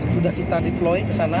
sudah kita deploy ke sana